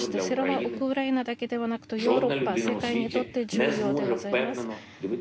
それはウクライナだけではなくヨーロッパ、世界にとって重要でございます。